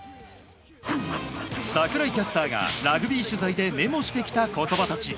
櫻井キャスターがラグビー取材でメモしてきた言葉たち。